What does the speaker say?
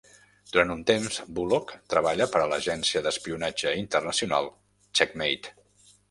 Durant un temps, Bullock treballa per a l'agencia d'espionatge internacional Checkmate.